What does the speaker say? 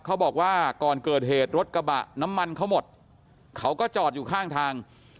เขาบอกว่าก่อนเกิดเหตุรถกระบะน้ำมันเขาหมดเขาก็จอดอยู่ข้างทาง